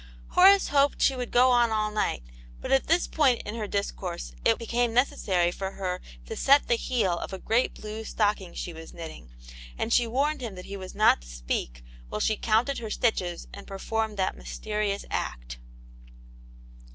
Horace hoped she would go on all night, but at ihis point in her discourse it became necessary for 64 Aunt jfatie^s Hetd, her to set the heel of a great blue stocking; she WAS knitting, and she warned him that he was not to speak while she counted her stitches and performed that mysterious act.